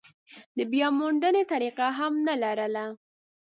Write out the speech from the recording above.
د بیاموندنې طریقه هم نه لرله.